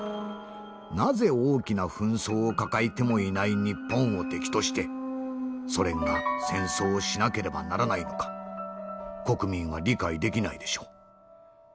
なぜ大きな紛争を抱えてもいない日本を敵としてソ連が戦争をしなければならないのか国民は理解できないでしょう」。